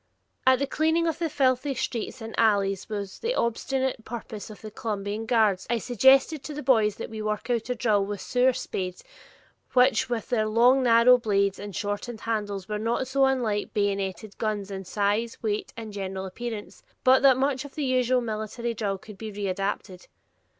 As the cleaning of the filthy streets and alleys was the ostensible purpose of the Columbian guards, I suggested to the boys that we work out a drill with sewer spades, which with their long narrow blades and shortened handles were not so unlike bayoneted guns in size, weight, and general appearance, but that much of the usual military drill could be readapted.